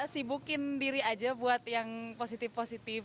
sibukin diri aja buat yang positif positif